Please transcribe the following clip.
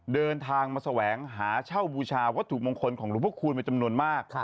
เดินทางมาแสวงหาเช่าบูชาวัตถุมงคลของหลวงพระคูณเป็นจำนวนมาก